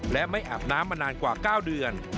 และไม่อาบน้ำมานานกว่า๙เดือน